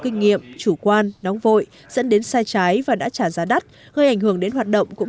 kinh nghiệm chủ quan nóng vội dẫn đến sai trái và đã trả giá đắt hơi ảnh hưởng đến hoạt động cũng